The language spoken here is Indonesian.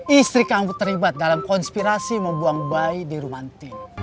istri kamu terlibat dalam konspirasi membuang bayi di rumah t a a n